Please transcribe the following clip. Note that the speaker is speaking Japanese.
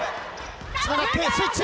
つながってスイッチ。